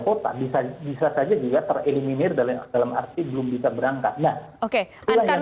kuota bisa saja juga tereliminir dalam arti belum bisa berangkat